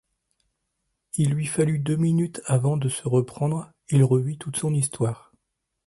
Il lui fallut deux minutes avant de se reprendre, il revit toute son histoire.